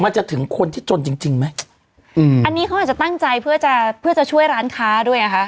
มันจะถึงคนที่จนจริงไหมอันนี้เขาอาจจะตั้งใจเพื่อจะช่วยร้านค้าด้วยนะคะ